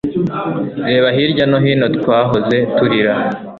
Reba hirya no hino twahoze turira